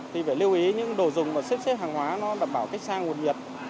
thì phải lưu ý những đồ dùng và xếp xếp hàng hóa đảm bảo cách sang nguồn nhiệt